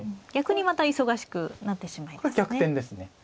逆にまた忙しくなってしまいますね。